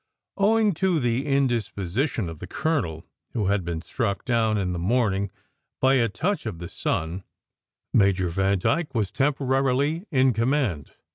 Owing to the indisposition of the colonel, who had been struck down in the morning by a touch of the sun, Major Vandyke was temporarily in command.